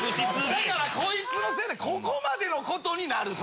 だからコイツのせいでここまでの事になると。